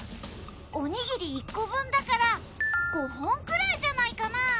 おにぎり１個分だから５本くらいじゃないかな。